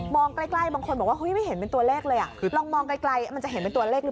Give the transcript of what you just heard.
ใกล้บางคนบอกว่าเฮ้ยไม่เห็นเป็นตัวเลขเลยลองมองไกลมันจะเห็นเป็นตัวเลขหรือเปล่า